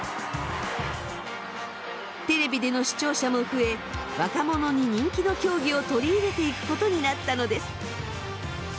テレビでの視聴者も増え若者に人気の競技を取り入れていくことになったのです。